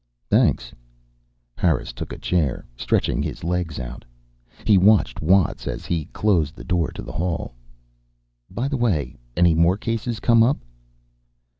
"Thanks." Harris took a chair, stretching his legs out. He watched Watts as he closed the door to the hall. "By the way, any more cases come up?"